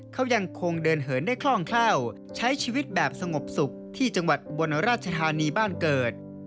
เขายังคงเดินเหินได้คล่องแคล่วใช้ชีวิตแบบสงบสุขที่จังหวัดอุบลราชธานีบ้านเกิด